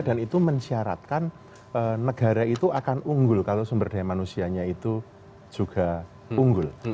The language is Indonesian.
dan itu mensyaratkan negara itu akan unggul kalau sumber daya manusianya itu juga unggul